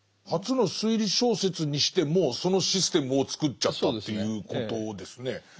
初の推理小説にしてもうそのシステムを作っちゃったということですね。